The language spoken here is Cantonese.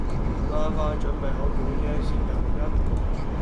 麻煩準備好講嘢先㩒錄音